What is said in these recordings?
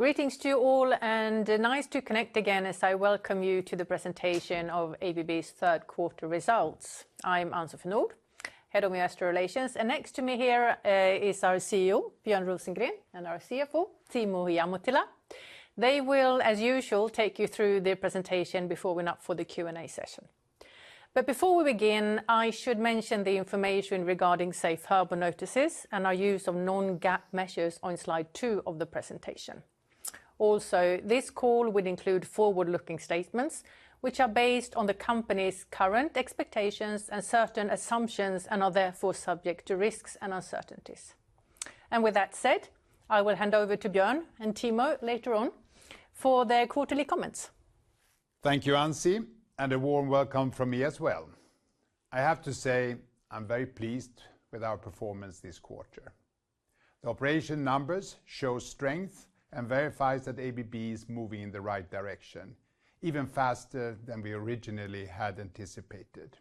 Greetings to you all, and nice to connect again as I welcome you to the presentation of ABB's third quarter results. I'm Ann-Sofie Nordh, Head of Investor Relations. Next to me here, is our CEO, Björn Rosengren, and our CFO, Timo Ihamuotila. They will, as usual, take you through the presentation before we're up for the Q&A session. Before we begin, I should mention the information regarding Safe Harbor notices and our use of non-GAAP measures on Slide Two of the presentation. Also, this call will include forward-looking statements, which are based on the company's current expectations and certain assumptions and are therefore subject to risks and uncertainties. With that said, I will hand over to Björn and Timo later on for their quarterly comments. Thank you, Ann-Sofie, and a warm welcome from me as well. I have to say, I'm very pleased with our performance this quarter. The operational numbers show strength and verifies that ABB is moving in the right direction, even faster than we originally had anticipated.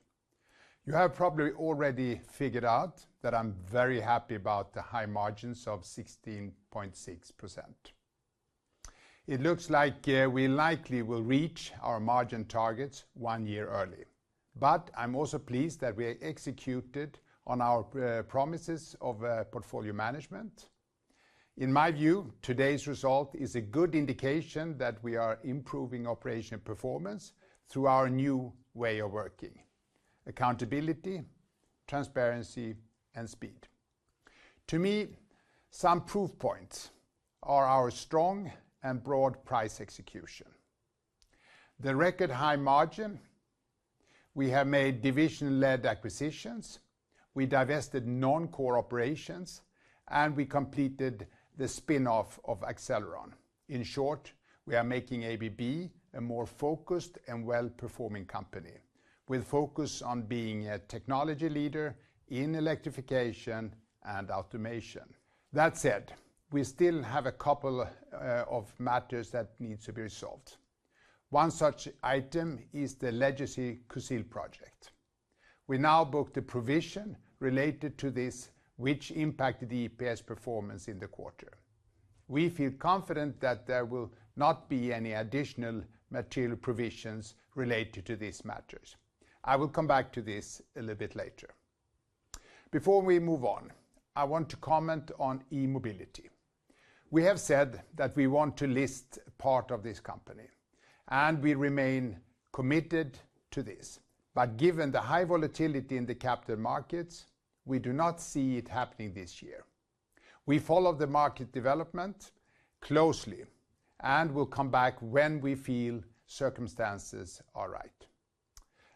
You have probably already figured out that I'm very happy about the high margins of 16.6%. It looks like we likely will reach our margin targets one year early. I'm also pleased that we executed on our promises of portfolio management. In my view, today's result is a good indication that we are improving operational performance through our new way of working, accountability, transparency, and speed. To me, some proof points are our strong and broad price execution. The record high margin. We have made division-led acquisitions. We divested non-core operations, and we completed the spin-off of Accelleron. In short, we are making ABB a more focused and well-performing company, with focus on being a technology leader in electrification and automation. That said, we still have a couple of matters that needs to be resolved. One such item is the legacy Kusile project. We now book the provision related to this, which impacted the EPS performance in the quarter. We feel confident that there will not be any additional material provisions related to these matters. I will come back to this a little bit later. Before we move on, I want to comment on e-mobility. We have said that we want to list part of this company, and we remain committed to this. Given the high volatility in the capital markets, we do not see it happening this year. We follow the market development closely and will come back when we feel circumstances are right.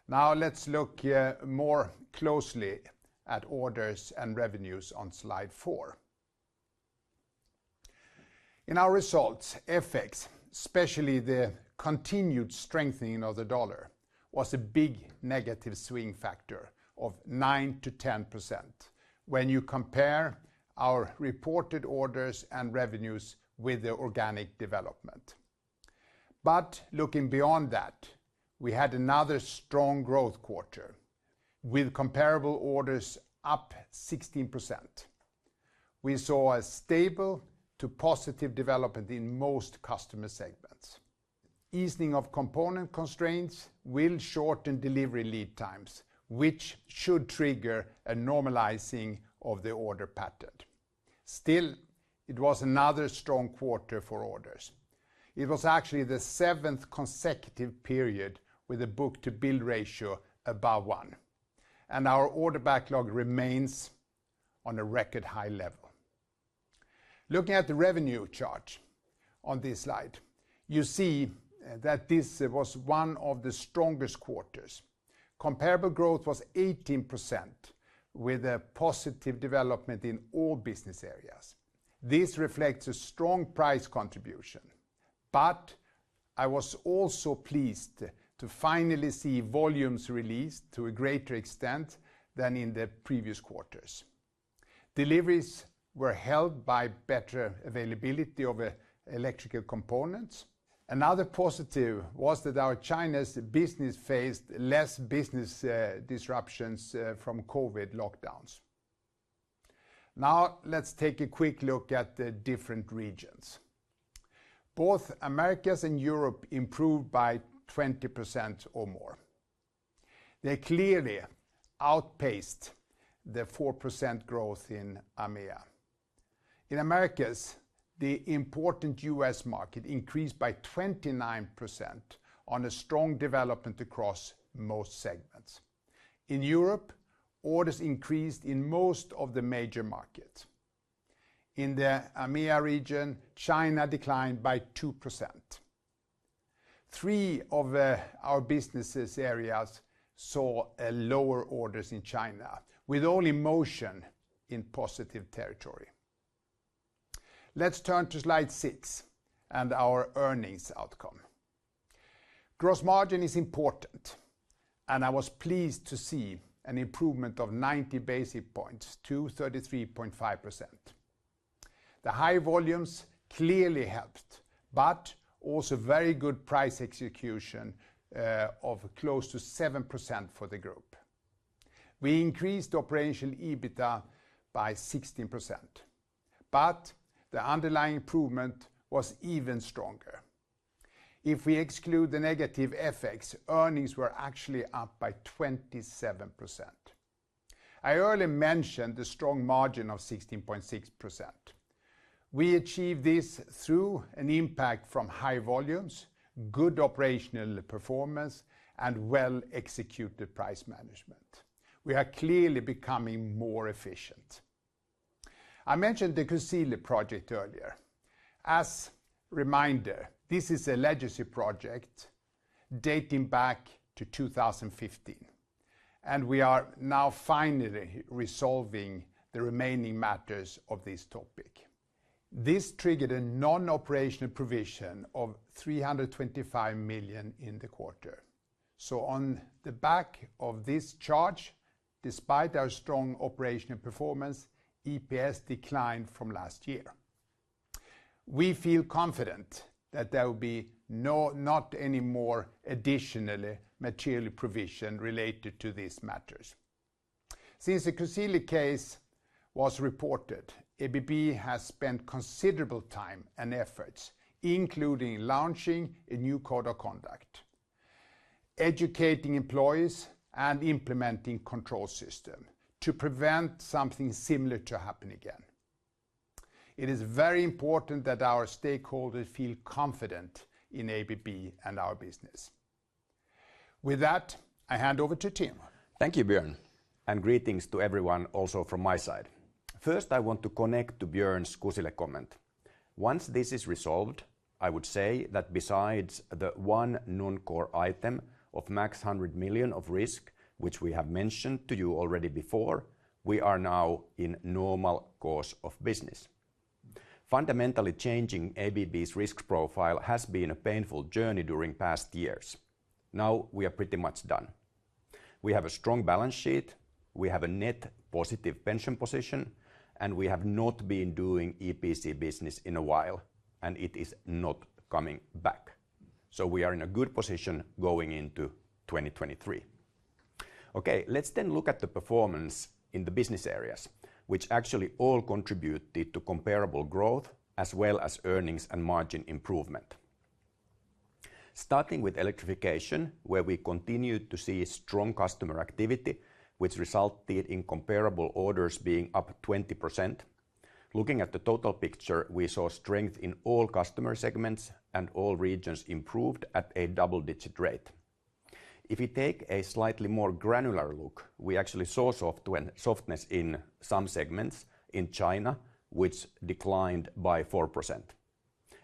Now let's look more closely at orders and revenues on Slide Four. In our results, FX, especially the continued strengthening of the dollar, was a big negative swing factor of 9%-10% when you compare our reported orders and revenues with the organic development. Looking beyond that, we had another strong growth quarter with comparable orders up 16%. We saw a stable to positive development in most customer segments. Easing of component constraints will shorten delivery lead times, which should trigger a normalizing of the order pattern. Still, it was another strong quarter for orders. It was actually the seventh consecutive period with a book-to-bill ratio above one, and our order backlog remains on a record high level. Looking at the revenue chart on this slide, you see that this was one of the strongest quarters. Comparable growth was 18% with a positive development in all business areas. This reflects a strong price contribution, but I was also pleased to finally see volumes released to a greater extent than in the previous quarters. Deliveries were helped by better availability of electrical components. Another positive was that our China business faced less business disruptions from COVID lockdowns. Now let's take a quick look at the different regions. Both Americas and Europe improved by 20% or more. They clearly outpaced the 4% growth in AMEA. In Americas, the important U.S. market increased by 29% on a strong development across most segments. In Europe, orders increased in most of the major markets. In the AMEA region, China declined by 2%. Three of our business areas saw lower orders in China, with only Motion in positive territory. Let's turn to Slide Six and our earnings outcome. Gross margin is important, and I was pleased to see an improvement of 90 basis points to 33.5%. The high volumes clearly helped, but also very good price execution of close to 7% for the group. We increased operational EBITDA by 16%, but the underlying improvement was even stronger. If we exclude the negative FX, earnings were actually up by 27%. I earlier mentioned the strong margin of 16.6%. We achieved this through an impact from high volumes, good operational performance, and well-executed price management. We are clearly becoming more efficient. I mentioned the Kusile project earlier. As reminder, this is a legacy project dating back to 2015, and we are now finally resolving the remaining matters of this topic. This triggered a non-operational provision of $325 million in the quarter. On the back of this charge, despite our strong operational performance, EPS declined from last year. We feel confident that there will be no more additional material provision related to these matters. Since the Kusile case was reported, ABB has spent considerable time and efforts, including launching a new code of conduct, educating employees, and implementing control system to prevent something similar to happen again. It is very important that our stakeholders feel confident in ABB and our business. With that, I hand over to Timo. Thank you, Björn, and greetings to everyone also from my side. First, I want to connect to Björn's Kusile comment. Once this is resolved, I would say that besides the one non-core item of max $100 million of risk, which we have mentioned to you already before, we are now in normal course of business. Fundamentally changing ABB's risk profile has been a painful journey during past years. Now we are pretty much done. We have a strong balance sheet, we have a net positive pension position, and we have not been doing EPC business in a while, and it is not coming back. We are in a good position going into 2023. Okay, let's then look at the performance in the business areas, which actually all contributed to comparable growth as well as earnings and margin improvement. Starting with electrification, where we continued to see strong customer activity, which resulted in comparable orders being up 20%. Looking at the total picture, we saw strength in all customer segments and all regions improved at a double-digit rate. If you take a slightly more granular look, we actually saw softness in some segments in China, which declined by 4%.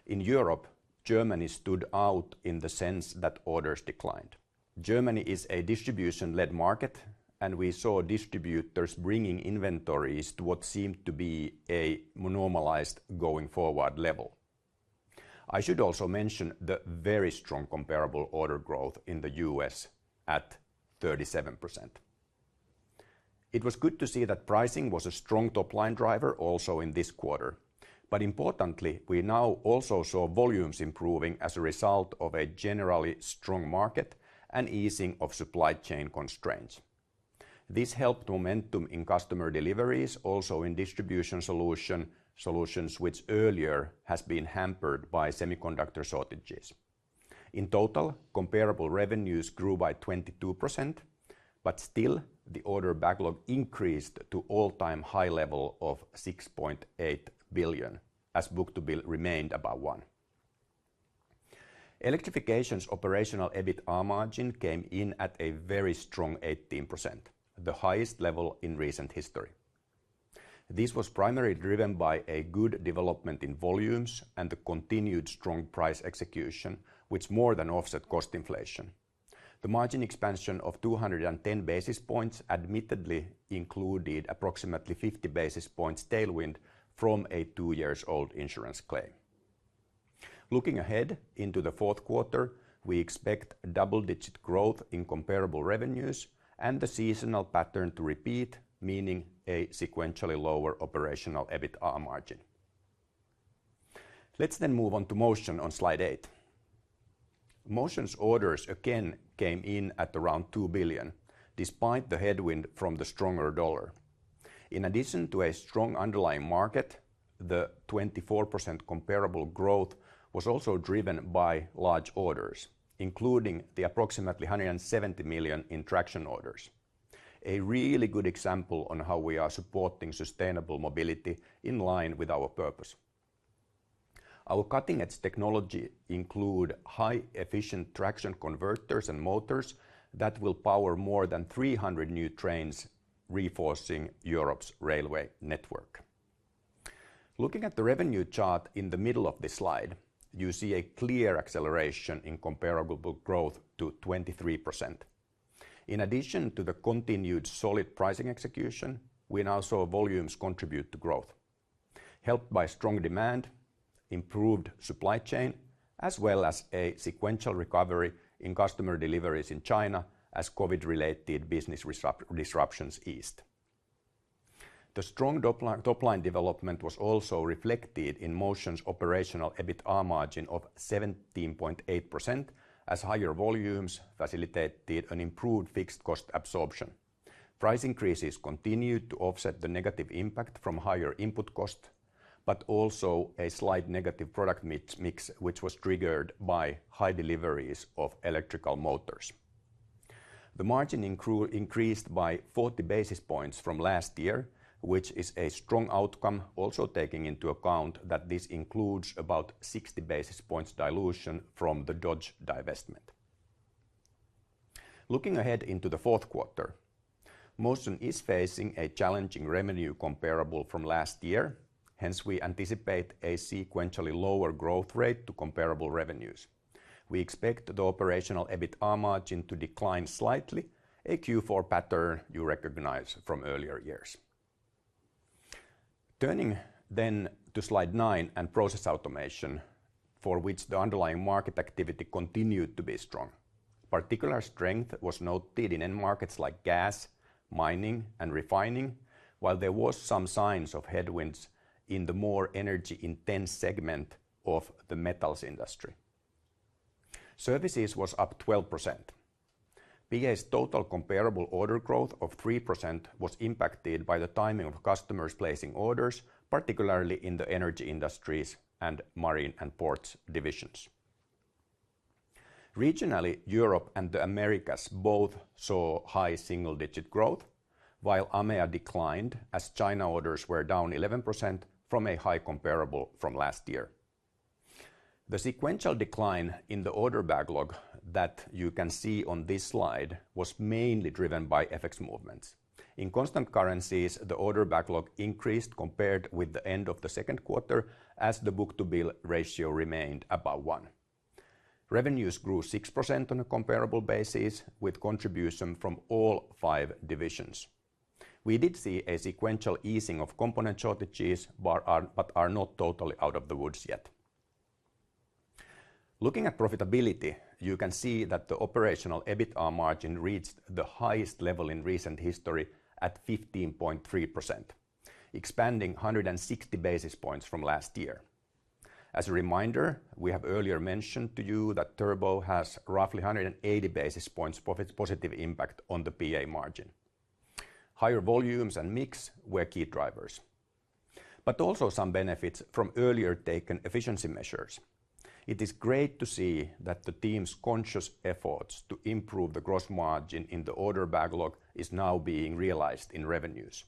In Europe, Germany stood out in the sense that orders declined. Germany is a distribution-led market, and we saw distributors bringing inventories to what seemed to be a normalized going forward level. I should also mention the very strong comparable order growth in the U.S. at 37%. It was good to see that pricing was a strong top-line driver also in this quarter. Importantly, we now also saw volumes improving as a result of a generally strong market and easing of supply chain constraints. This helped momentum in customer deliveries, also in Distribution Solutions, which earlier has been hampered by semiconductor shortages. In total, comparable revenues grew by 22%, but still the order backlog increased to all-time high level of $6.8 billion as book-to-bill remained above 1. Electrification's operational EBITDA margin came in at a very strong 18%, the highest level in recent history. This was primarily driven by a good development in volumes and the continued strong price execution, which more than offset cost inflation. The margin expansion of 210 basis points admittedly included approximately 50 basis points tailwind from a two-year-old insurance claim. Looking ahead into the fourth quarter, we expect double-digit growth in comparable revenues and the seasonal pattern to repeat, meaning a sequentially lower operational EBITDA margin. Let's then move on to Motion on Slide Eight. Motion's orders again came in at around $2 billion, despite the headwind from the stronger dollar. In addition to a strong underlying market, the 24% comparable growth was also driven by large orders, including the approximately $170 million in traction orders. A really good example on how we are supporting sustainable mobility in line with our purpose. Our cutting-edge technology include high efficient traction converters and motors that will power more than 300 new trains reinforcing Europe's railway network. Looking at the revenue chart in the middle of this slide, you see a clear acceleration in comparable growth to 23%. In addition to the continued solid pricing execution, we now saw volumes contribute to growth, helped by strong demand, improved supply chain, as well as a sequential recovery in customer deliveries in China as COVID-related business supply disruptions eased. The strong top-line development was also reflected in Motion's operational EBITA margin of 17.8% as higher volumes facilitated an improved fixed cost absorption. Price increases continued to offset the negative impact from higher input costs, but also a slight negative product mix, which was triggered by high deliveries of electrical motors. The margin increased by 40 basis points from last year, which is a strong outcome, also taking into account that this includes about 60 basis points dilution from the Dodge divestment. Looking ahead into the fourth quarter, Motion is facing a challenging revenue comparable from last year. Hence, we anticipate a sequentially lower growth rate to comparable revenues. We expect the operational EBITA margin to decline slightly, a Q4 pattern you recognize from earlier years. Turning then to Slide Nine and Process Automation, for which the underlying market activity continued to be strong. Particular strength was noted in end markets like gas, mining, and refining, while there was some signs of headwinds in the more energy-intense segment of the metals industry. Services was up 12%. PA's total comparable order growth of 3% was impacted by the timing of customers placing orders, particularly in the energy industries and marine and ports divisions. Regionally, Europe and the Americas both saw high single-digit growth, while AMEA declined as China orders were down 11% from a high comparable from last year. The sequential decline in the order backlog that you can see on this slide was mainly driven by FX movements. In constant currencies, the order backlog increased compared with the end of the second quarter as the book-to-bill ratio remained above one. Revenues grew 6% on a comparable basis with contribution from all five divisions. We did see a sequential easing of component shortages, but are not totally out of the woods yet. Looking at profitability, you can see that the operational EBITA margin reached the highest level in recent history at 15.3%, expanding 160 basis points from last year. As a reminder, we have earlier mentioned to you that Turbo has roughly 180 basis points of its positive impact on the PA margin. Higher volumes and mix were key drivers, but also some benefits from earlier taken efficiency measures. It is great to see that the team's conscious efforts to improve the gross margin in the order backlog is now being realized in revenues.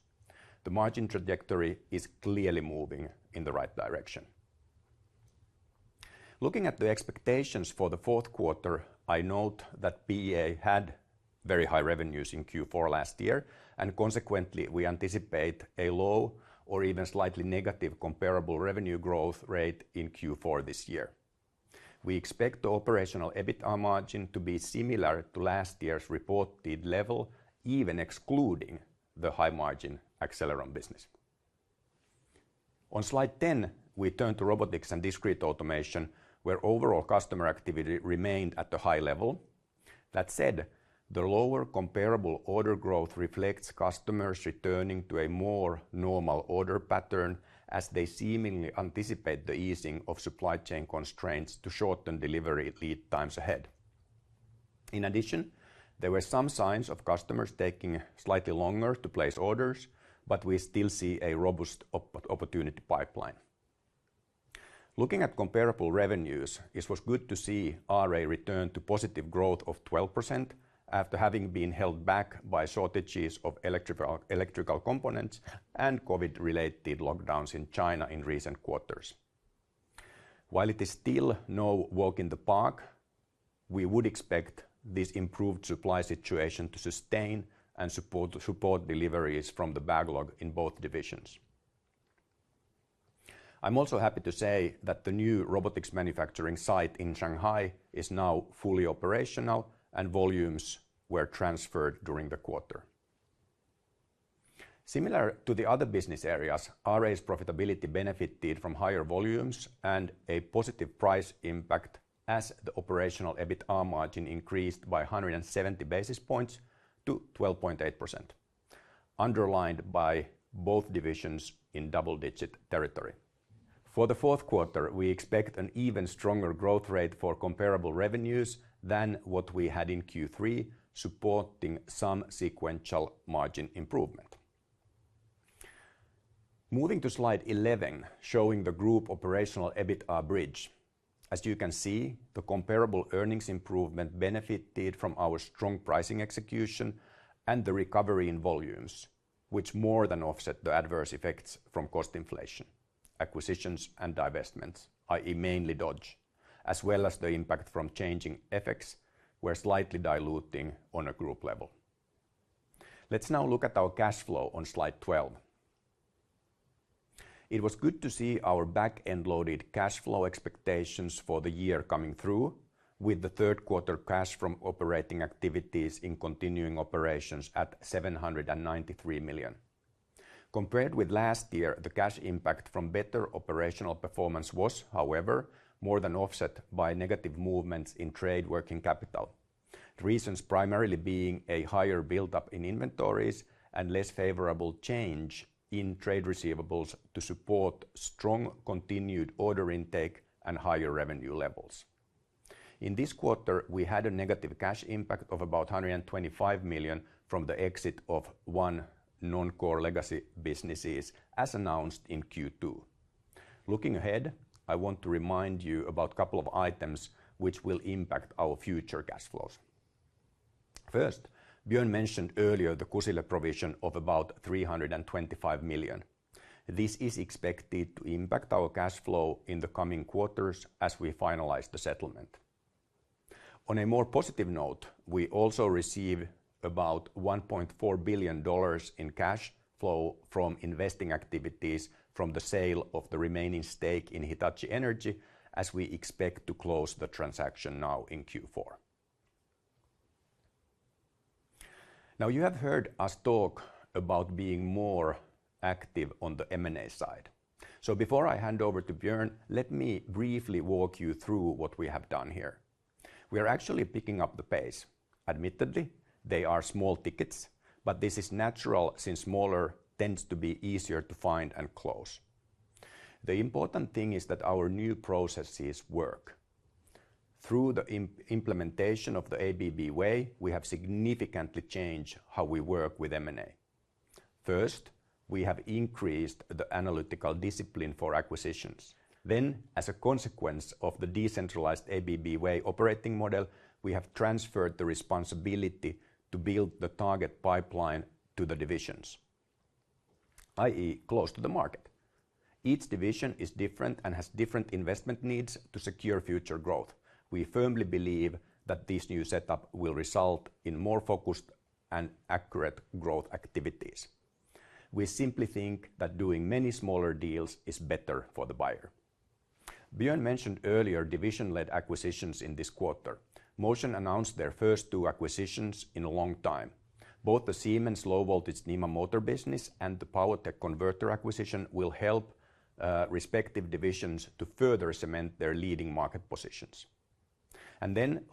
The margin trajectory is clearly moving in the right direction. Looking at the expectations for the fourth quarter, I note that PA had very high revenues in Q4 last year, and consequently, we anticipate a low or even slightly negative comparable revenue growth rate in Q4 this year. We expect the operational EBITA margin to be similar to last year's reported level, even excluding the high-margin Accelleron business. On Slide 10, we turn to Robotics and Discrete Automation, where overall customer activity remained at a high level. That said, the lower comparable order growth reflects customers returning to a more normal order pattern as they seemingly anticipate the easing of supply chain constraints to shorten delivery lead times ahead. In addition, there were some signs of customers taking slightly longer to place orders, but we still see a robust opportunity pipeline. Looking at comparable revenues, it was good to see RA return to positive growth of 12% after having been held back by shortages of electrical components and COVID-related lockdowns in China in recent quarters. While it is still no walk in the park, we would expect this improved supply situation to sustain and support deliveries from the backlog in both divisions. I'm also happy to say that the new robotics manufacturing site in Shanghai is now fully operational and volumes were transferred during the quarter. Similar to the other business areas, RA's profitability benefited from higher volumes and a positive price impact as the operational EBITA margin increased by 170 basis points to 12.8%, underlined by both divisions in double-digit territory. For the fourth quarter, we expect an even stronger growth rate for comparable revenues than what we had in Q3, supporting some sequential margin improvement. Moving to Slide 11, showing the group operational EBITA bridge. As you can see, the comparable earnings improvement benefited from our strong pricing execution and the recovery in volumes, which more than offset the adverse effects from cost inflation, acquisitions and divestments, i.e., mainly Dodge, as well as the impact from FX effects were slightly diluting on a group level. Let's now look at our cash flow on Slide 12. It was good to see our back-end loaded cash flow expectations for the year coming through with the third quarter cash from operating activities in continuing operations at $793 million. Compared with last year, the cash impact from better operational performance was, however, more than offset by negative movements in trade working capital. Reasons primarily being a higher buildup in inventories and less favorable change in trade receivables to support strong continued order intake and higher revenue levels. In this quarter, we had a negative cash impact of about $125 million from the exit of one non-core legacy businesses, as announced in Q2. Looking ahead, I want to remind you about couple of items which will impact our future cash flows. First, Björn mentioned earlier the Kusile provision of about $325 million. This is expected to impact our cash flow in the coming quarters as we finalize the settlement. On a more positive note, we also receive about $1.4 billion in cash flow from investing activities from the sale of the remaining stake in Hitachi Energy, as we expect to close the transaction now in Q4. Now, you have heard us talk about being more active on the M&A side. Before I hand over to Björn, let me briefly walk you through what we have done here. We are actually picking up the pace. Admittedly, they are small tickets, but this is natural since smaller tends to be easier to find and close. The important thing is that our new processes work. Through the implementation of the ABB Way, we have significantly changed how we work with M&A. First, we have increased the analytical discipline for acquisitions. As a consequence of the decentralized ABB Way operating model, we have transferred the responsibility to build the target pipeline to the divisions, i.e., close to the market. Each division is different and has different investment needs to secure future growth. We firmly believe that this new setup will result in more focused and accurate growth activities. We simply think that doing many smaller deals is better for the buyer. Björn mentioned earlier division-led acquisitions in this quarter. Motion announced their first two acquisitions in a long time. Both the Siemens low voltage NEMA motor business and the PowerTech Converter acquisition will help respective divisions to further cement their leading market positions.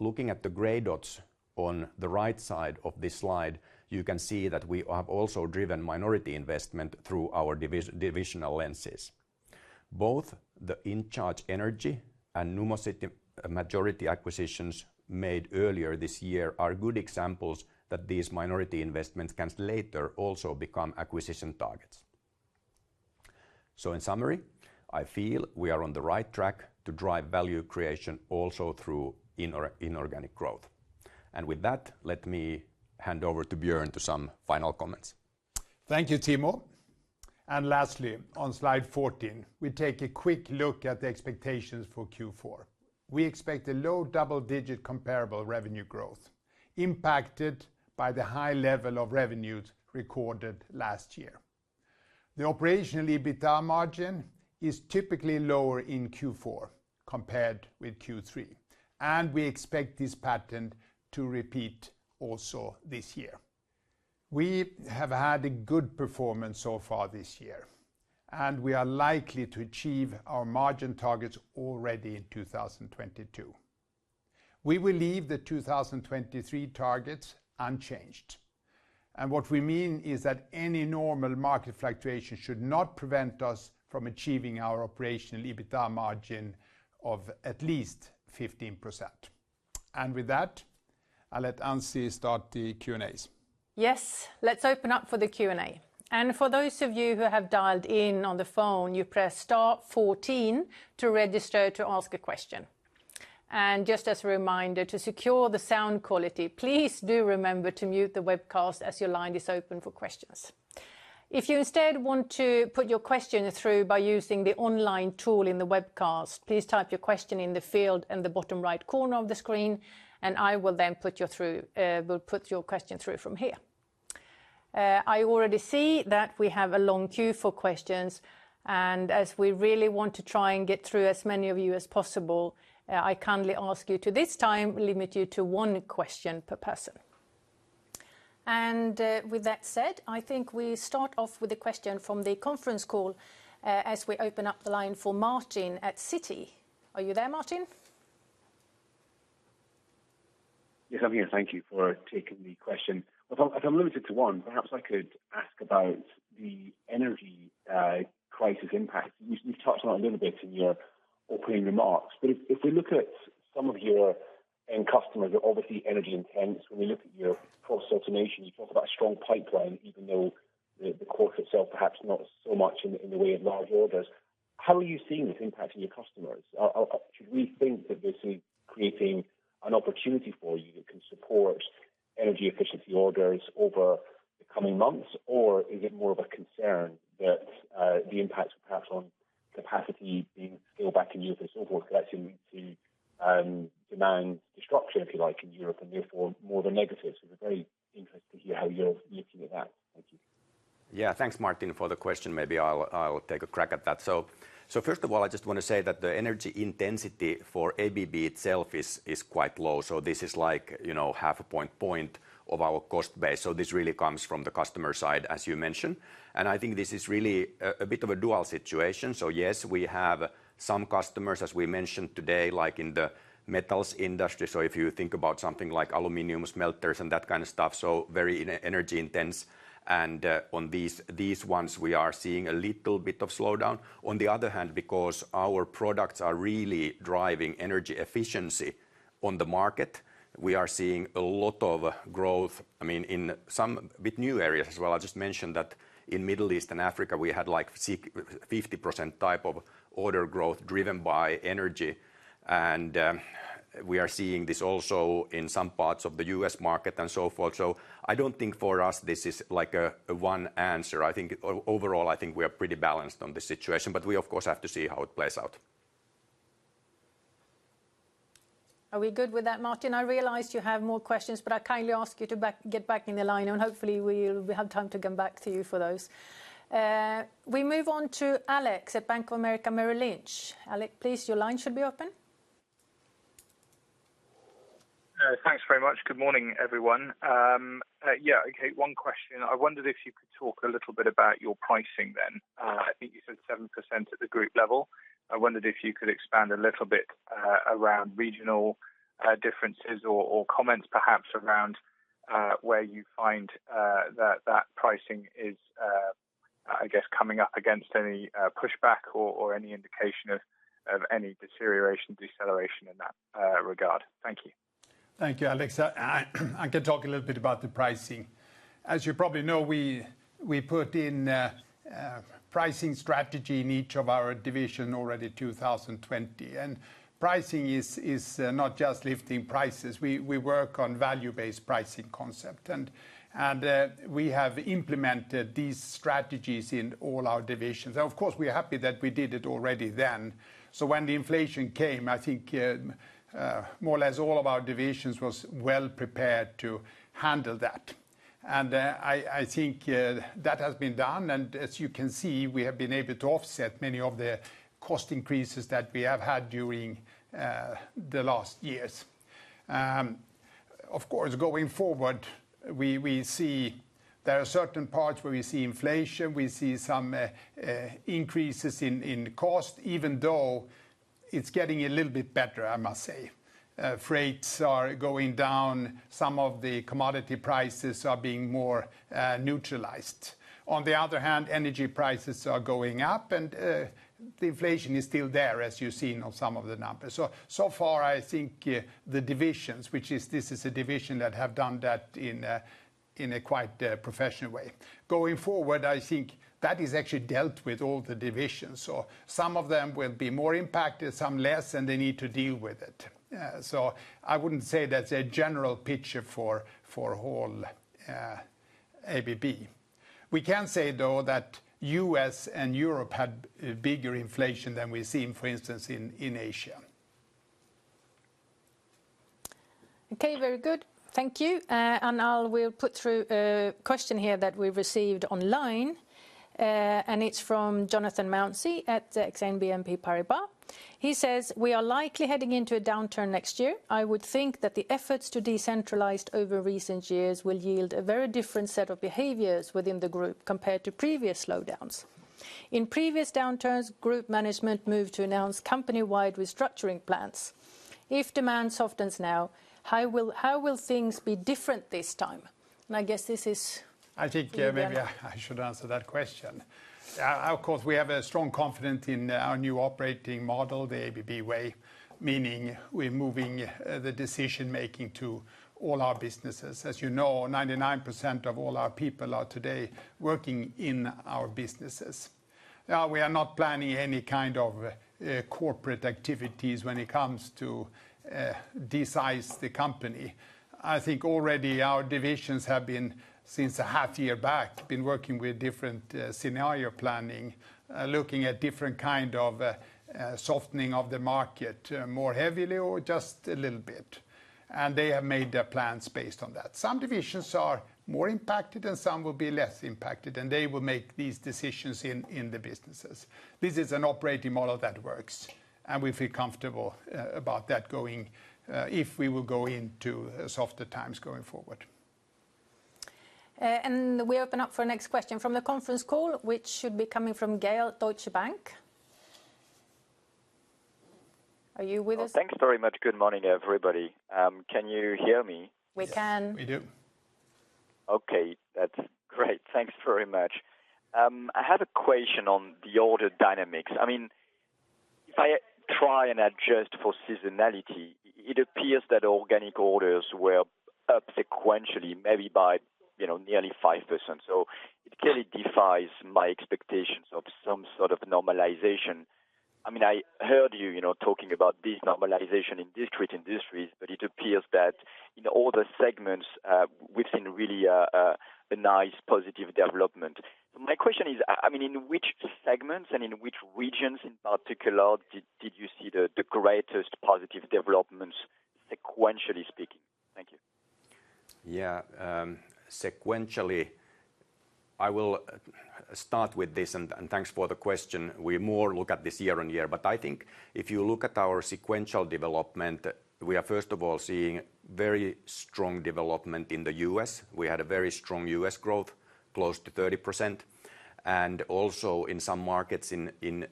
Looking at the gray dots on the right side of this slide, you can see that we have also driven minority investment through our divisional lenses. Both the InCharge Energy and Numocity majority acquisitions made earlier this year are good examples that these minority investments can later also become acquisition targets. In summary, I feel we are on the right track to drive value creation also through inorganic growth. With that, let me hand over to Björn for some final comments. Thank you, Timo. Lastly, on Slide 14, we take a quick look at the expectations for Q4. We expect a low double-digit comparable revenue growth impacted by the high level of revenues recorded last year. The operational EBITDA margin is typically lower in Q4 compared with Q3, and we expect this pattern to repeat also this year. We have had a good performance so far this year, and we are likely to achieve our margin targets already in 2022. We will leave the 2023 targets unchanged, and what we mean is that any normal market fluctuation should not prevent us from achieving our operational EBITDA margin of at least 15%. With that, I'll let Ann-Sofie start the Q&As. Yes, let's open up for the Q&A. For those of you who have dialed in on the phone, you press star 14 to register to ask a question. Just as a reminder, to secure the sound quality, please do remember to mute the webcast as your line is open for questions. If you instead want to put your question through by using the online tool in the webcast, please type your question in the field in the bottom right corner of the screen, and I will then put your question through from here. I already see that we have a long queue for questions, and as we really want to try and get through as many of you as possible, I kindly ask you to this time limit you to one question per person. With that said, I think we start off with a question from the conference call, as we open up the line for Martin at Citi. Are you there, Martin? Yes, I'm here. Thank you for taking the question. If I'm limited to one, perhaps I could ask about the energy crisis impact. You've touched on it a little bit in your opening remarks, but if we look at some of your end customers, are obviously energy intense. When we look at your Process Automation, you talk about strong pipeline, even though the core itself perhaps not so much in the way of large orders. How are you seeing this impacting your customers? Should we think that this is creating an opportunity for you that can support energy efficiency orders over the coming months? Or is it more of a concern that the impacts perhaps on capacity being scaled back in Europe is overall leading to demand destruction, if you like, in Europe and therefore more of a negative? We're very interested to hear how you're looking at that. Thank you. Yeah. Thanks Martin for the question. Maybe I'll take a crack at that. First of all, I just wanna say that the energy intensity for ABB itself is quite low. This is like, you know, half a point of our cost base. This really comes from the customer side, as you mentioned. I think this is really a bit of a dual situation. Yes, we have some customers, as we mentioned today, like in the metals industry. If you think about something like aluminum smelters and that kind of stuff, very energy intense and on these ones we are seeing a little bit of slowdown. On the other hand, because our products are really driving energy efficiency. On the market, we are seeing a lot of growth, I mean, in some brand new areas as well. I just mentioned that in Middle East and Africa, we had like 50% type of order growth driven by energy, and we are seeing this also in some parts of the U.S. market and so forth. I don't think for us this is like a one answer. I think overall, I think we are pretty balanced on the situation, but we of course have to see how it plays out. Are we good with that, Martin? I realize you have more questions, but I kindly ask you to get back in the line and hopefully we'll have time to come back to you for those. We move on to Alex at Bank of America Merrill Lynch. Alex, please, your line should be open. Thanks very much. Good morning, everyone. One question. I wondered if you could talk a little bit about your pricing then. I think you said 7% at the group level. I wondered if you could expand a little bit around regional differences or comments perhaps around where you find that pricing is, I guess, coming up against any pushback or any indication of any deterioration, deceleration in that regard. Thank you. Thank you, Alex. I can talk a little bit about the pricing. As you probably know, we put in pricing strategy in each of our division already 2020. Pricing is not just lifting prices. We work on value-based pricing concept and we have implemented these strategies in all our divisions. Of course, we're happy that we did it already then. When the inflation came, I think more or less all of our divisions was well prepared to handle that. I think that has been done. As you can see, we have been able to offset many of the cost increases that we have had during the last years. Of course, going forward, we see there are certain parts where we see inflation, we see some increases in cost, even though it's getting a little bit better, I must say. Freights are going down. Some of the commodity prices are being more neutralized. On the other hand, energy prices are going up, and the inflation is still there, as you've seen on some of the numbers. So far, I think the divisions. This is a division that have done that in a quite professional way. Going forward, I think that is actually dealt with all the divisions. Some of them will be more impacted, some less, and they need to deal with it. I wouldn't say that's a general picture for whole ABB. We can say, though, that U.S. and Europe had bigger inflation than we've seen, for instance, in Asia. Okay, very good. Thank you. I'll put through a question here that we received online, and it's from Jonathan Mounsey at BNP Paribas. He says, "We are likely heading into a downturn next year. I would think that the efforts to decentralize over recent years will yield a very different set of behaviors within the group compared to previous slowdowns. In previous downturns, group management moved to announce company-wide restructuring plans. If demand softens now, how will things be different this time?" I guess this is. I think maybe I should answer that question. Of course, we have a strong confidence in our new operating model, the ABB Way, meaning we're moving the decision-making to all our businesses. As you know, 99% of all our people are today working in our businesses. We are not planning any kind of corporate activities when it comes to downsize the company. I think already our divisions have been, since a half year back, working with different scenario planning, looking at different kind of softening of the market, more heavily or just a little bit. They have made their plans based on that. Some divisions are more impacted, and some will be less impacted, and they will make these decisions in the businesses. This is an operating model that works, and we feel comfortable about that going, if we will go into softer times going forward. We open up for next question from the conference call, which should be coming from Gael de-Bray, Deutsche Bank. Are you with us? Oh, thanks very much. Good morning, everybody. Can you hear me? We can. We do. Okay, that's great. Thanks very much. I had a question on the order dynamics. I mean, if I try and adjust for seasonality, it appears that organic orders were up sequentially, maybe by, you know, nearly 5%. It clearly defies my expectations of some sort of normalization. I mean, I heard you know, talking about denormalization in discrete industries, but it appears that in all the segments, we've seen really a nice positive development. My question is, I mean, in which segments and in which regions in particular did you see the greatest positive developments sequentially speaking? Thank you. Sequentially, I will start with this, and thanks for the question. We more look at this year-over-year. I think if you look at our sequential development, we are first of all seeing very strong development in the U.S. We had a very strong U.S. growth close to 30%. Also in some markets in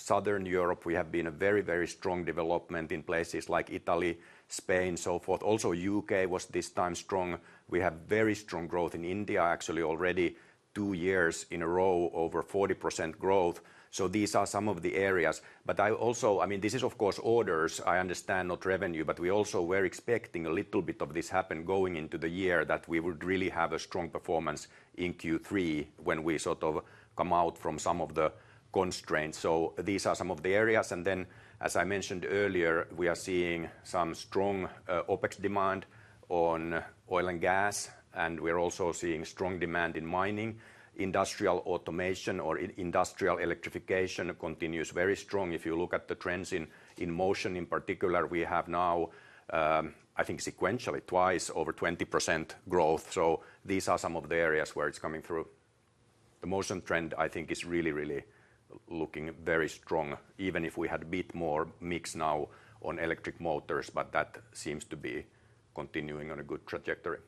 Southern Europe, we have seen a very, very strong development in places like Italy, Spain, so forth. Also U.K. was this time strong. We have very strong growth in India, actually already two years in a row, over 40% growth. So these are some of the areas. I also, I mean, this is, of course, orders, I understand, not revenue. We also were expecting a little bit of this happen going into the year that we would really have a strong performance in Q3 when we sort of come out from some of the constraints. These are some of the areas. As I mentioned earlier, we are seeing some strong OpEx demand on oil and gas, and we're also seeing strong demand in mining. Industrial automation or industrial electrification continues very strong. If you look at the trends in Motion, in particular, we have now, I think sequentially twice over 20% growth. These are some of the areas where it's coming through. The Motion trend, I think, is really, really looking very strong, even if we had a bit more mix now on electric motors, but that seems to be continuing on a good trajectory.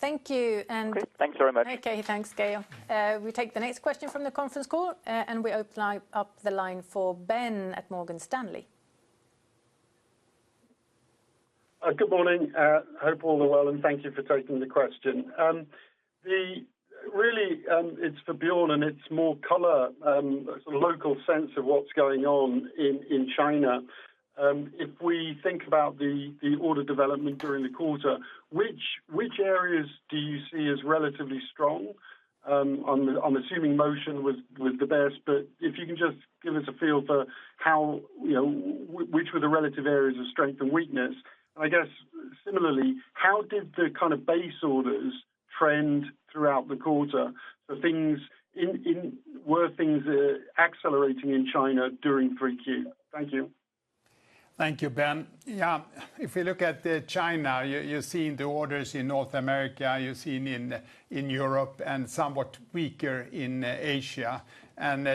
Thank you. Great. Thanks very much. Okay. Thanks, Gael. We take the next question from the conference call, and we open live up the line for Ben at Morgan Stanley. Good morning, hope all are well, and thank you for taking the question. Really, it's for Björn, and it's more color, sort of local sense of what's going on in China. If we think about the order development during the quarter, which areas do you see as relatively strong? I'm assuming Motion was the best, but if you can just give us a feel for how, you know, which were the relative areas of strength and weakness. I guess similarly, how did the kind of base orders trend throughout the quarter? Were things accelerating in China during 3Q? Thank you. Thank you, Ben. Yeah, if you look at China, you're seeing the orders in North America, you're seeing in Europe and somewhat weaker in Asia.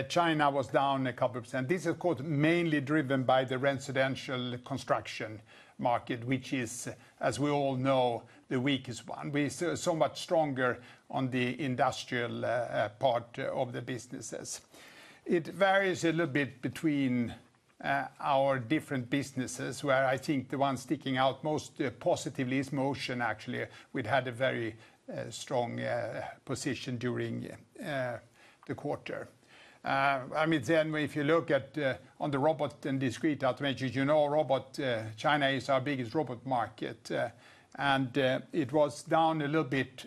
China was down a couple of percent. This, of course, mainly driven by the residential construction market, which is, as we all know, the weakest one. We're so much stronger on the industrial part of the businesses. It varies a little bit between our different businesses, where I think the one sticking out most positively is Motion, actually. We'd had a very strong position during the quarter. I mean, then if you look at on the Robotics & Discrete Automation, you know, Robotics China is our biggest Robotics market. It was down a little bit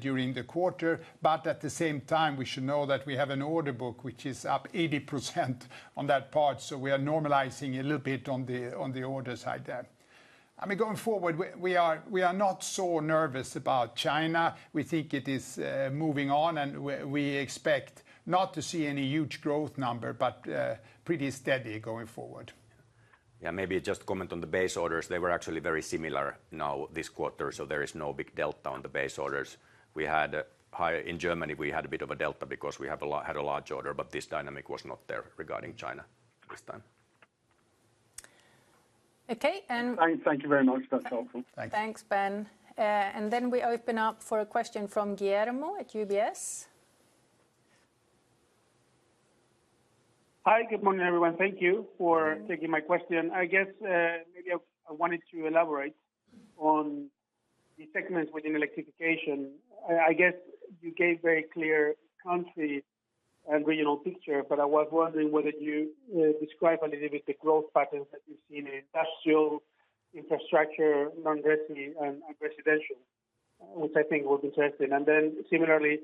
during the quarter, but at the same time, we should know that we have an order book, which is up 80% on that part. We are normalizing a little bit on the order side there. I mean, going forward, we are not so nervous about China. We think it is moving on, and we expect not to see any huge growth number, but pretty steady going forward. Yeah, maybe just comment on the base orders. They were actually very similar now this quarter, so there is no big delta on the base orders. In Germany, we had a bit of a delta because we had a large order, but this dynamic was not there regarding China this time. Okay. Thank you very much. That's helpful. Thanks. Thanks, Ben. We open up for a question from Guillermo at UBS. Hi, good morning, everyone. Thank you for taking my question. I guess, maybe I wanted to elaborate on the segments within electrification. I guess you gave very clear country and regional picture, but I was wondering whether you describe a little bit the growth patterns that you've seen in industrial infrastructure, non-resi, and residential, which I think would be interesting. Then similarly,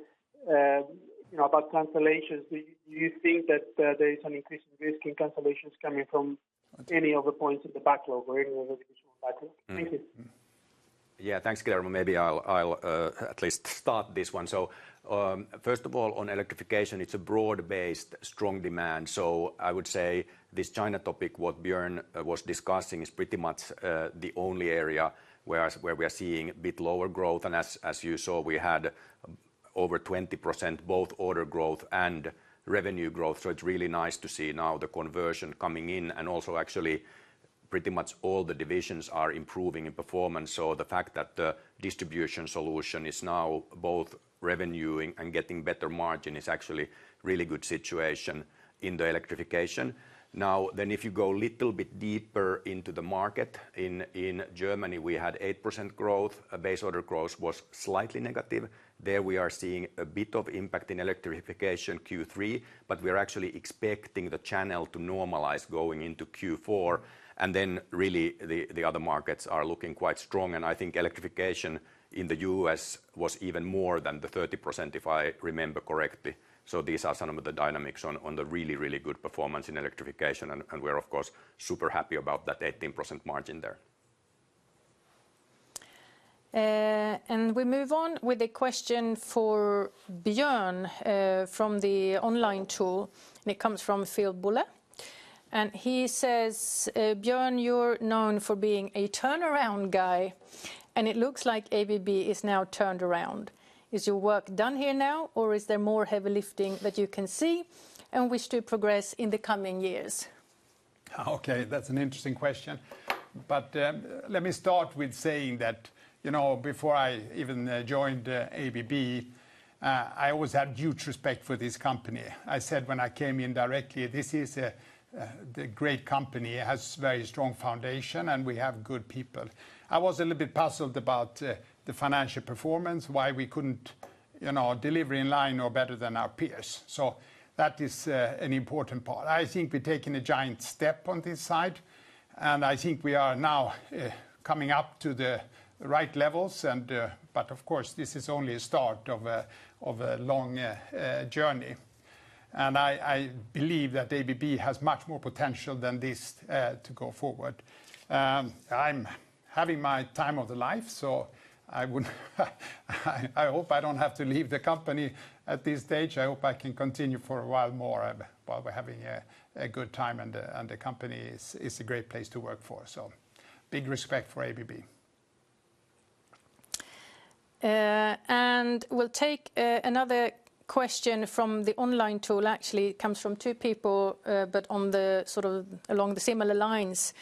you know, about cancellations, do you think that there is an increasing risk in cancellations coming from any other points in the backlog or any other additional backlog? Thank you. Yeah. Thanks, Guillermo. Maybe I'll at least start this one. First of all, on electrification, it's a broad-based strong demand. I would say this China topic, what Björn was discussing is pretty much the only area where we are seeing a bit lower growth. As you saw, we had over 20% both order growth and revenue growth. It's really nice to see now the conversion coming in, and also actually pretty much all the divisions are improving in performance. The fact that the Distribution Solutions is now both revenueing and getting better margin is actually really good situation in the electrification. Now, if you go a little bit deeper into the market, in Germany, we had 8% growth. Base order growth was slightly negative. There, we are seeing a bit of impact in electrification Q3, but we're actually expecting the channel to normalize going into Q4. Really, the other markets are looking quite strong. I think electrification in the U.S. was even more than the 30%, if I remember correctly. These are some of the dynamics on the really good performance in electrification. We're of course super happy about that 18% margin there. We move on with a question for Björn, from the online tool, and it comes from Philip Buller. He says, "Björn, you're known for being a turnaround guy, and it looks like ABB is now turned around. Is your work done here now, or is there more heavy lifting that you can see and wish to progress in the coming years? Okay, that's an interesting question. Let me start with saying that, you know, before I even joined ABB, I always had huge respect for this company. I said when I came in directly, "This is a great company, it has very strong foundation, and we have good people." I was a little bit puzzled about the financial performance, why we couldn't, you know, deliver in line or better than our peers. That is an important part. I think we've taken a giant step on this side, and I think we are now coming up to the right levels and. Of course, this is only a start of a long journey. I believe that ABB has much more potential than this to go forward. I'm having the time of my life, so I hope I don't have to leave the company at this stage. I hope I can continue for a while more, while we're having a good time and the company is a great place to work for. Big respect for ABB. We'll take another question from the online tool. Actually, it comes from two people, but on the sort of along the similar lines,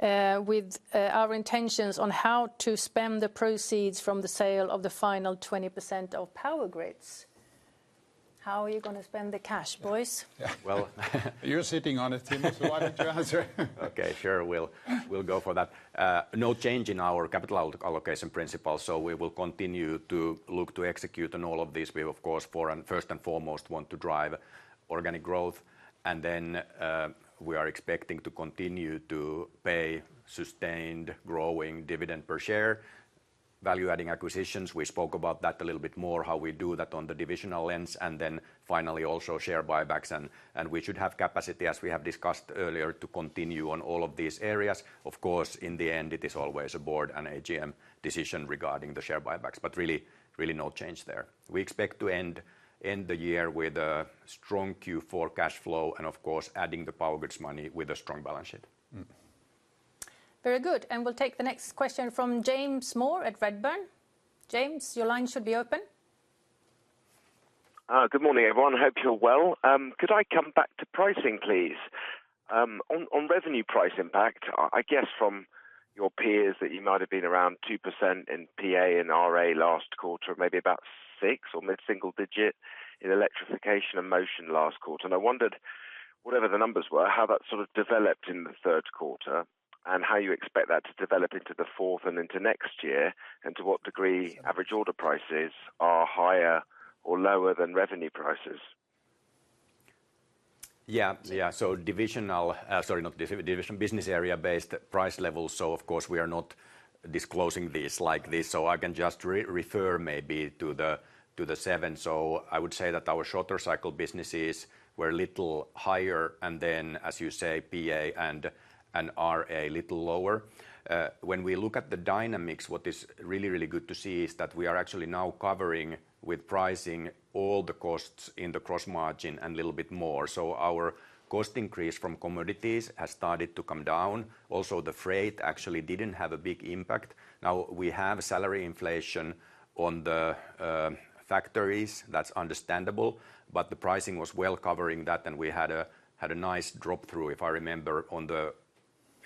with our intentions on how to spend the proceeds from the sale of the final 20% of Power Grids. How are you gonna spend the cash, boys? Yeah. Well, You're sitting on it, Timo, so why don't you answer? Okay. Sure. We'll go for that. No change in our capital allocation principles, so we will continue to look to execute on all of these. We, of course, first and foremost, want to drive organic growth and then we are expecting to continue to pay sustained growing dividend per share. Value-adding acquisitions, we spoke about that a little bit more, how we do that on the divisional lens. Then finally, also share buybacks and we should have capacity, as we have discussed earlier, to continue on all of these areas. Of course, in the end, it is always a board and AGM decision regarding the share buybacks, but really no change there. We expect to end the year with a strong Q4 cash flow and of course adding the Power Grids money with a strong balance sheet. Very good. We'll take the next question from James Moore at Redburn. James, your line should be open. Good morning, everyone. Hope you're well. Could I come back to pricing, please? On revenue price impact, I guess from your peers that you might have been around 2% in PA and RA last quarter, maybe about six or mid-single digit in electrification and motion last quarter. I wondered, whatever the numbers were, how that sort of developed in the third quarter, and how you expect that to develop into the fourth and into next year, and to what degree average order prices are higher or lower than revenue prices. Business area-based price levels, of course we are not disclosing this like this. I can just refer maybe to the seven. I would say that our shorter cycle businesses were a little higher and then, as you say, PA and RA a little lower. When we look at the dynamics, what is really good to see is that we are actually now covering with pricing all the costs in the gross margin and a little bit more. Our cost increase from commodities has started to come down. Also, the freight actually didn't have a big impact. Now, we have salary inflation on the factories. That's understandable. The pricing was well covering that, and we had a nice drop through, if I remember, on the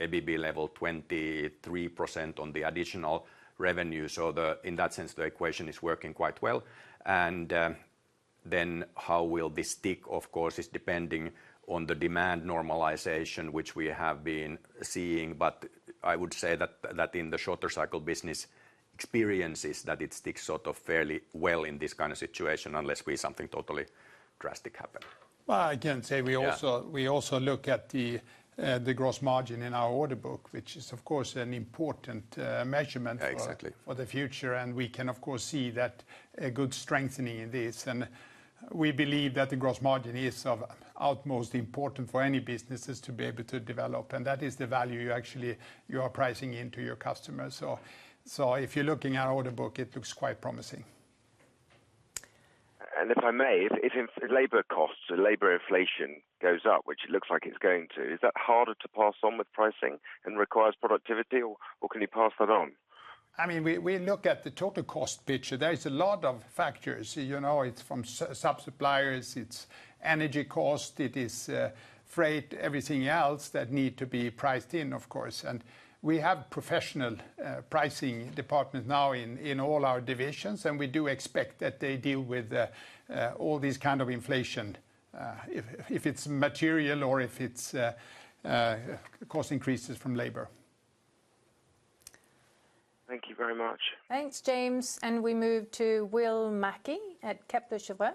ABB level, 23% on the additional revenue. In that sense, the equation is working quite well. Then how will this stick, of course, is depending on the demand normalization which we have been seeing. I would say that in the shorter cycle business experiences that it sticks sort of fairly well in this kind of situation, unless something totally drastic happens. Well, I can say we also. Yeah We also look at the gross margin in our order book, which is of course an important measurement for- Exactly For the future. We can of course see that a good strengthening in this. We believe that the gross margin is of utmost importance for any businesses to be able to develop, and that is the value you actually, you are pricing into your customers. If you're looking at order book, it looks quite promising. If I may, if labor costs or labor inflation goes up, which it looks like it's going to, is that harder to pass on with pricing and requires productivity or can you pass that on? I mean, we look at the total cost picture. There is a lot of factors. You know, it's from sub-suppliers, it's energy cost, it is freight, everything else that need to be priced in, of course. We have professional pricing department now in all our divisions, and we do expect that they deal with all these kind of inflation, if it's material or if it's cost increases from labor. Thank you very much. Thanks, James. We move to William Mackie at Kepler Cheuvreux.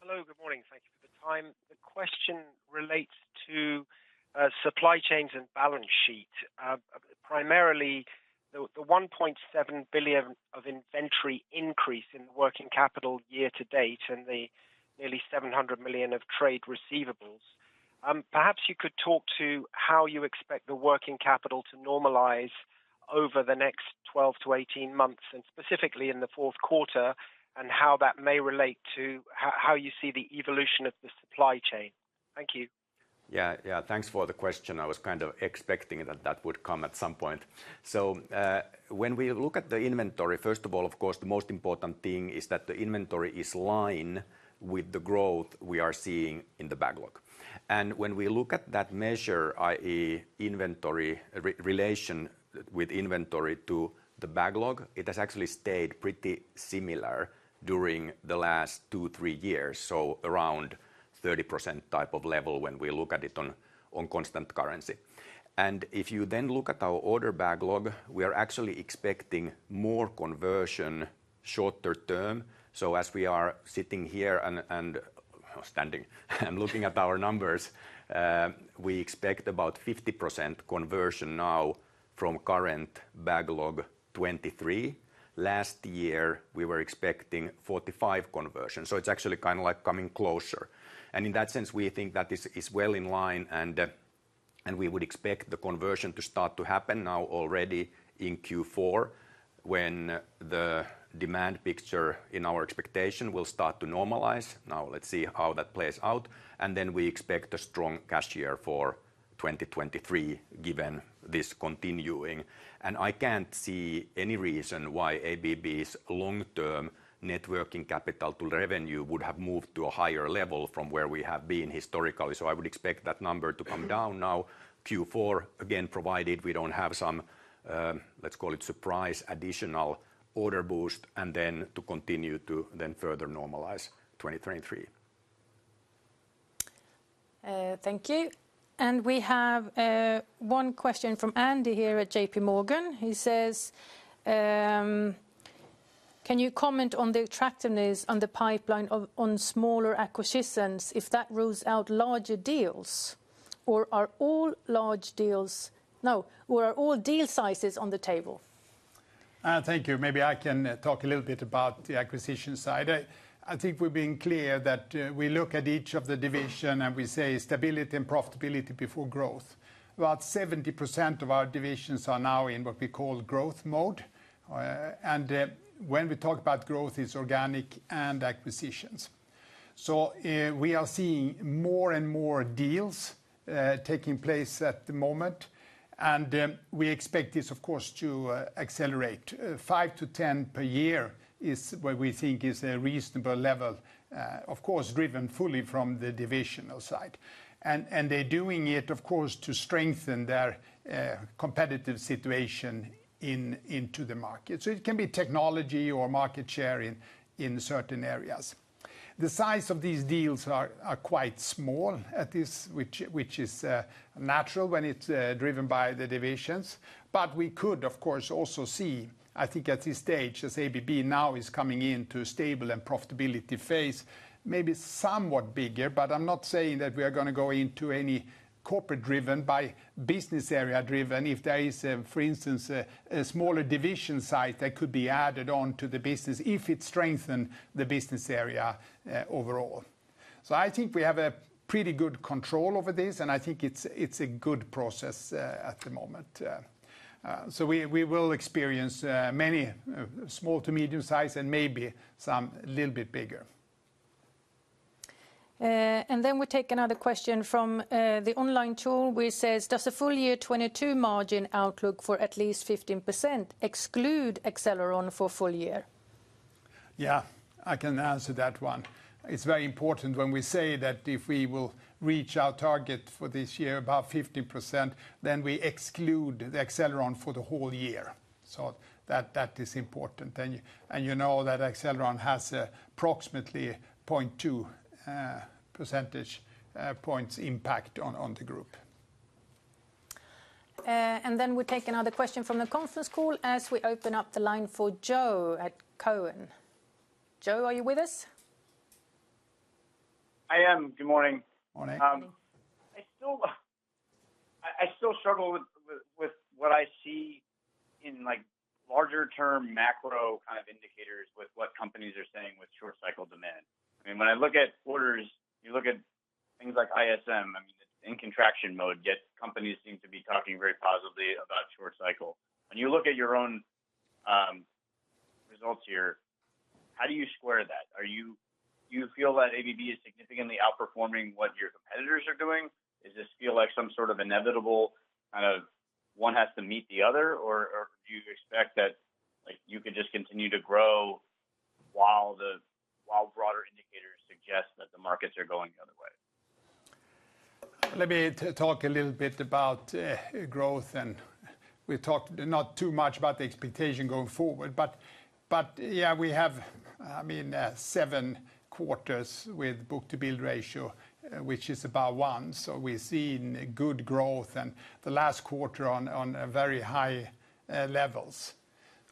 Hello. Good morning. Thank you for the time. The question relates to supply chains and balance sheet. Primarily the $1.7 billion of inventory increase in working capital year to date and the nearly $700 million of trade receivables. Perhaps you could talk to how you expect the working capital to normalize over the next 12-18 months, and specifically in the fourth quarter, and how that may relate to how you see the evolution of the supply chain. Thank you. Yeah, yeah. Thanks for the question. I was kind of expecting that would come at some point. When we look at the inventory, first of all, of course, the most important thing is that the inventory is in line with the growth we are seeing in the backlog. When we look at that measure, i.e., inventory in relation to the backlog, it has actually stayed pretty similar during the last two, three years, so around 30% type of level when we look at it on constant currency. If you then look at our order backlog, we are actually expecting more conversion shorter term. As we are sitting here and looking at our numbers, we expect about 50% conversion now from current backlog 2023. Last year, we were expecting 45 conversion, so it's actually kind of like coming closer. In that sense, we think that is well in line, and we would expect the conversion to start to happen now already in Q4 when the demand picture in our expectation will start to normalize. Now, let's see how that plays out, and then we expect a strong cash year for 2023 given this continuing. I can't see any reason why ABB's long-term net working capital to revenue would have moved to a higher level from where we have been historically. I would expect that number to come down now, Q4, again, provided we don't have some, let's call it surprise additional order boost, and then to continue to then further normalize 2023. Thank you. We have one question from Andre Kukhnin here at JPMorgan. He says, "Can you comment on the attractiveness of the pipeline of smaller acquisitions if that rules out larger deals? Or are all deal sizes on the table? Thank you. Maybe I can talk a little bit about the acquisition side. I think we've been clear that we look at each of the division, and we say stability and profitability before growth. About 70% of our divisions are now in what we call growth mode. When we talk about growth, it's organic and acquisitions. We are seeing more and more deals taking place at the moment. We expect this of course to accelerate. Five to 10 per year is what we think is a reasonable level, of course, driven fully from the divisional side. They're doing it, of course, to strengthen their competitive situation into the market. It can be technology or market share in certain areas. The size of these deals are quite small at this, which is natural when it's driven by the divisions. We could, of course, also see, I think at this stage, as ABB now is coming into stable and profitability phase, maybe somewhat bigger, but I'm not saying that we are gonna go into any corporate driven by business area driven. If there is, for instance, a smaller division site that could be added on to the business if it strengthen the business area overall. I think we have a pretty good control over this, and I think it's a good process at the moment. We will experience many small to medium size and maybe some little bit bigger. We take another question from the online tool which says, "Does the full year 2022 margin outlook for at least 15% exclude Accelleron for full year? Yeah, I can answer that one. It's very important when we say that if we will reach our target for this year, about 50%, then we exclude the Accelleron for the whole year. That is important. You know that Accelleron has approximately 0.2 percentage points impact on the group. We take another question from the conference call as we open up the line for Joe at Cowen. Joe, are you with us? I am. Good morning. Morning. Morning. I still struggle with what I see in like larger term macro kind of indicators with what companies are saying with short cycle demand. I mean, when I look at orders, you look at things like ISM, I mean, it's in contraction mode, yet companies seem to be talking very positively about short cycle. When you look at your own results here, how do you square that? Do you feel that ABB is significantly outperforming what your competitors are doing? Does this feel like some sort of inevitable kind of one has to meet the other, or do you expect that, like, you could just continue to grow while broader indicators suggest that the markets are going the other way? Let me talk a little bit about growth, and we talked not too much about the expectation going forward. Yeah, we have, I mean, seven quarters with book-to-bill ratio, which is about one. We're seeing good growth in the last quarter on a very high levels.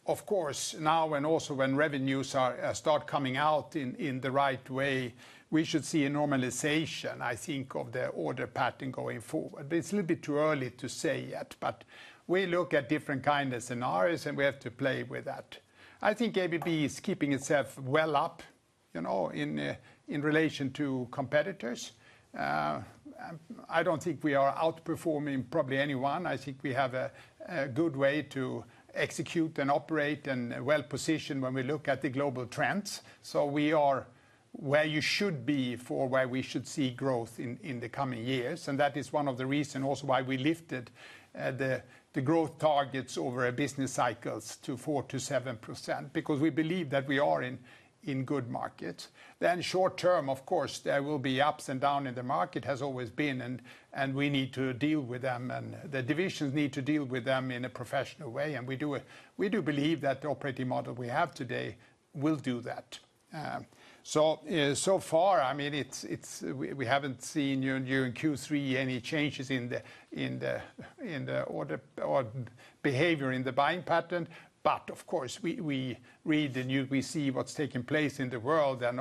Of course, now and also when revenues start coming out in the right way, we should see a normalization, I think, of the order pattern going forward. It's a little bit too early to say yet. We look at different kind of scenarios, and we have to play with that. I think ABB is keeping itself well up, you know, in relation to competitors. I don't think we are outperforming probably anyone. I think we have a good way to execute and operate and well-positioned when we look at the global trends. Where you should be for where we should see growth in the coming years, and that is one of the reason also why we lifted the growth targets over our business cycles to 4%-7% because we believe that we are in good markets. Short term, of course, there will be ups and down in the market, has always been, and we need to deal with them and the divisions need to deal with them in a professional way. We do believe that the operating model we have today will do that. So far, I mean, it's. We haven't seen during Q3 any changes in the order or behavior in the buying pattern. Of course we see what's taking place in the world, and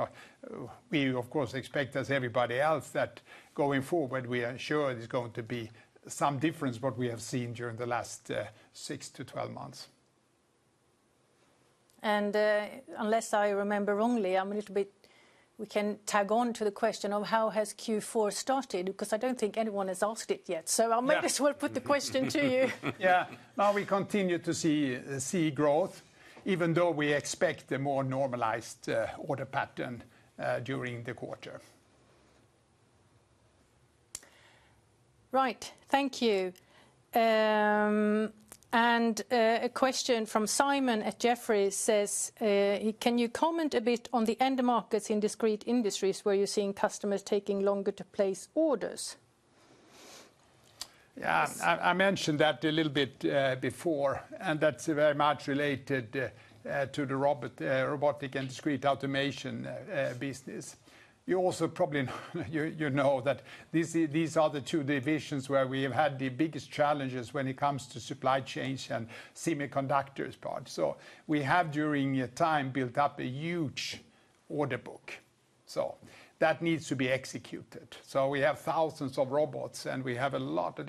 we of course expect, as everybody else, that going forward we are sure there's going to be some difference what we have seen during the last six to 12 months. Unless I remember wrongly, we can tag on to the question of how has Q4 started, because I don't think anyone has asked it yet. Yeah. I may as well put the question to you. Yeah. No, we continue to see growth even though we expect a more normalized order pattern during the quarter. Right. Thank you. A question from Simon at Jefferies says, "Can you comment a bit on the end markets in discrete industries where you're seeing customers taking longer to place orders? Yeah. I mentioned that a little bit before, and that's very much related to the Robotics & Discrete Automation business. You also probably you know that these are the two divisions where we have had the biggest challenges when it comes to supply chains and semiconductors part. We have during a time built up a huge order book, so that needs to be executed. We have thousands of robots, and we have a lot of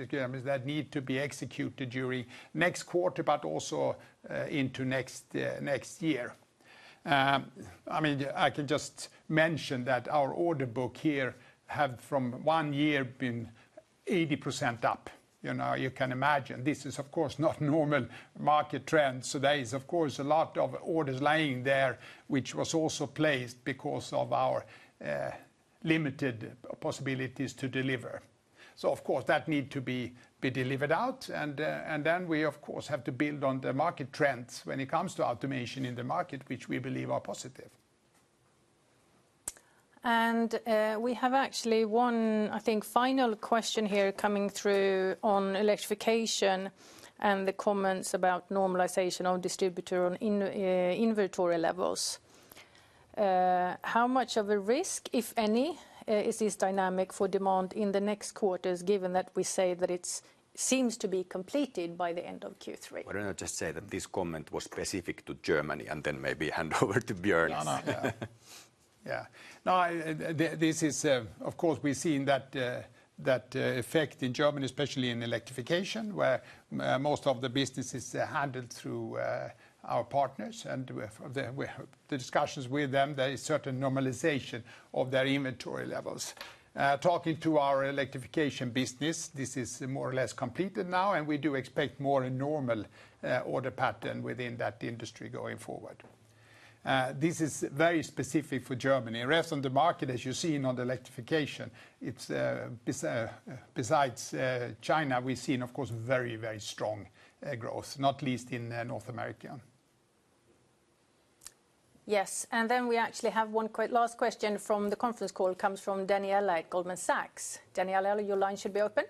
Yes. We actually have one last question from the conference call, comes from Daniela at Goldman Sachs. Daniela, your line should be open.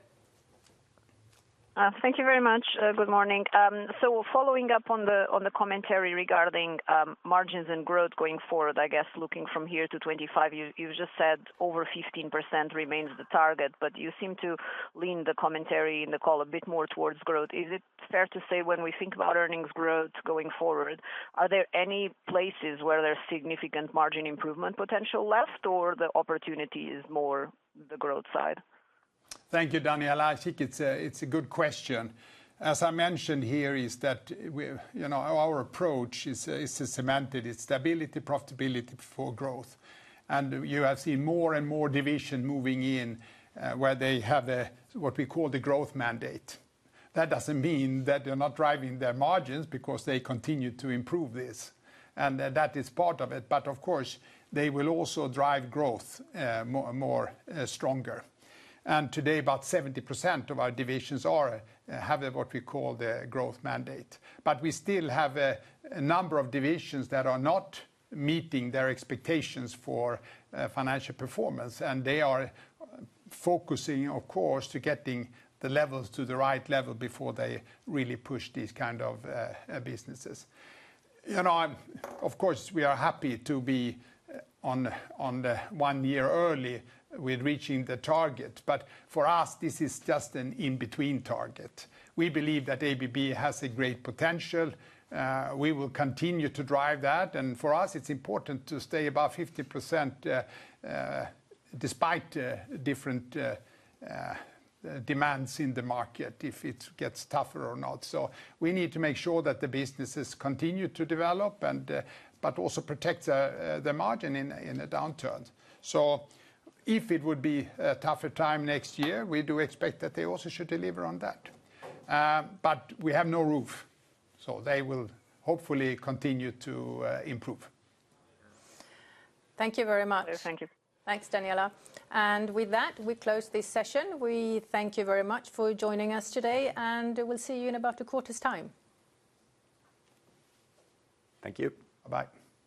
Thank you very much. Good morning. Following up on the commentary regarding margins and growth going forward, I guess looking from here to 2025, you just said over 15% remains the target, but you seem to lean the commentary in the call a bit more towards growth. Is it fair to say when we think about earnings growth going forward, are there any places where there's significant margin improvement potential left, or the opportunity is more the growth side? Thank you, Daniela. I think it's a good question. As I mentioned here, you know, our approach is cemented. It's stability, profitability for growth. You have seen more and more divisions moving in where they have what we call the growth mandate. That doesn't mean that they're not driving their margins because they continue to improve this, and that is part of it. Of course, they will also drive growth more stronger. Today about 70% of our divisions have what we call the growth mandate. We still have a number of divisions that are not meeting their expectations for financial performance, and they are focusing, of course, to getting the levels to the right level before they really push these kind of businesses. You know, of course, we are happy to be on the one year early with reaching the target. For us this is just an in-between target. We believe that ABB has a great potential. We will continue to drive that. For us, it's important to stay above 50%, despite different demands in the market, if it gets tougher or not. We need to make sure that the businesses continue to develop but also protect the margin in a downturn. If it would be a tougher time next year, we do expect that they also should deliver on that. We have no roof, so they will hopefully continue to improve. Thank you very much. Thank you. Thanks, Daniela. With that, we close this session. We thank you very much for joining us today, and we'll see you in about a quarter's time. Thank you. Bye-bye.